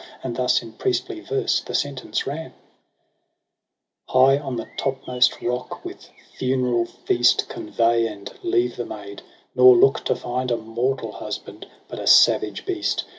And thus in priestly verse the sentence ran : II Htgi> on the topmost rock "with funeral feast Convey and leave the maid^ nor look to find A mortal husband, hut a savage beast.